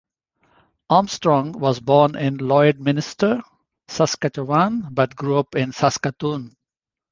Armstrong was born in Lloydminster, Saskatchewan but grew up in Saskatoon.